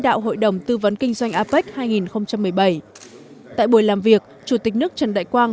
đạo hội đồng tư vấn kinh doanh apec hai nghìn một mươi bảy tại buổi làm việc chủ tịch nước trần đại quang